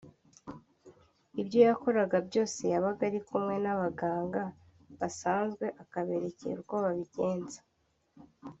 Ibyo yakoraga byose yabaga ari kumwe n’abaganga basanzwe akaberekera uko babigenza